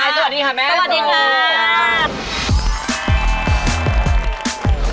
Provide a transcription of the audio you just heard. สวัสดีค่ะแม่สุ